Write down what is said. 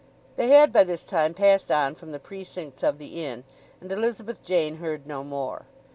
They had by this time passed on from the precincts of the inn, and Elizabeth Jane heard no more.